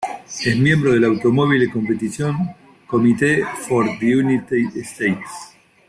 Es miembro del Automobile Competition Committee for the United States.